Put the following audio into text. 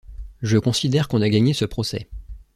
Je considère qu'on a gagné ce procès.